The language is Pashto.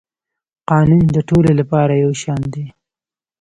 قانون د ټولو لپاره یو شان دی